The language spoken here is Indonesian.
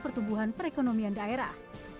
pertumbuhan perekonomian daerah